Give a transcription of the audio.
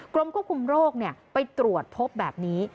กรมควบคุมโรคไปตรวจพบแบบนี้